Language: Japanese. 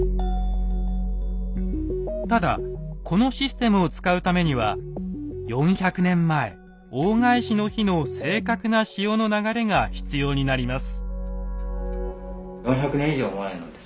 ただこのシステムを使うためには４００年前大返しの日の正確な潮の流れが必要になります。